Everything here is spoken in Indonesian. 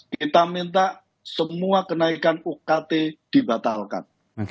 kita minta semua kenaikan ukt dibatalkan